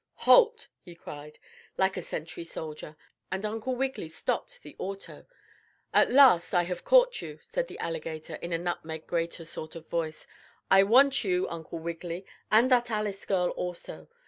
"Halt!" he cried, like a sentry soldier, and Uncle Wiggily stopped the auto. "At last I have caught you," said the alligator in a nutmeg grater sort of a voice. "I want you, Uncle Wiggily, and that Alice girl also.